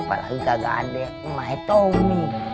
apalagi kagak ada tommy